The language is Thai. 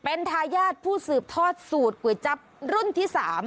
เป็นทายาทผู้สืบทอดสูตรก๋วยจั๊บรุ่นที่๓